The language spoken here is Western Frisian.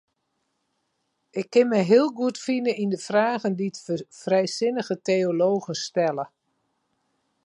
Ik kin my heel goed fine yn de fragen dy't frijsinnige teologen stelle.